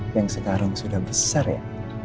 yang sekarang sudah besar ya